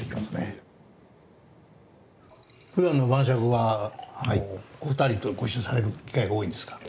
ふだんの晩酌はお二人とご一緒される機会が多いんですか？